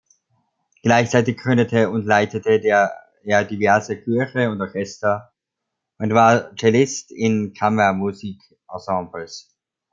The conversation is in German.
Gleichzeitig gründete und leitete er diverse Chöre und Orchester und war Cellist in Kammermusikensembles.